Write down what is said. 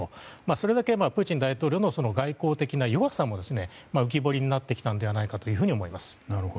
それだけプーチン大統領の外交的な弱さも浮き彫りになってきたのではないかと思います。